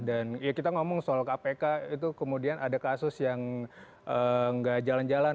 dan kita ngomong soal kpk itu kemudian ada kasus yang tidak jalan jalan